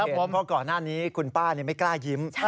เพราะก่อนหน้านี้คุณป้าไม่กล้ายิ้ม